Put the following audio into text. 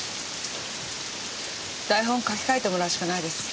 台本書き換えてもらうしかないです。